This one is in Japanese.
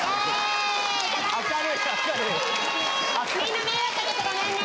・みんな迷惑かけてごめんね！